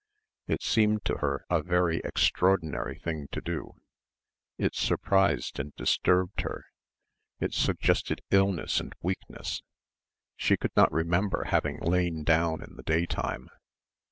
It seemed to her a very extraordinary thing to do. It surprised and disturbed her. It suggested illness and weakness. She could not remember having lain down in the day time.